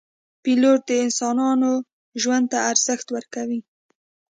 پیلوټ د انسانانو ژوند ته ارزښت ورکوي.